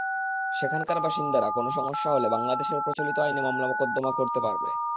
সেখানকার বাসিন্দাদের কোনো সমস্যা হলে বাংলাদেশের প্রচলিত আইনে মামলা-মোকদ্দমা করতে পারবে।